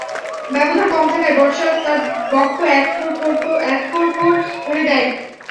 ব্যবধান কম থাকায় বর্শা তার বক্ষ এফোঁড়-ফোড় করে দেয়।